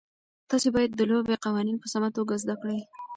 تاسي باید د لوبې قوانین په سمه توګه زده کړئ.